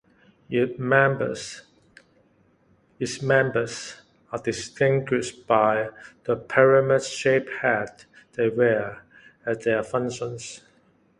Its members are distinguished by the pyramid-shaped hats they wear at their functions.